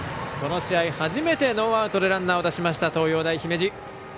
この試合初めてノーアウトでランナーを出しました東洋大姫路。